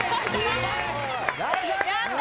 やった！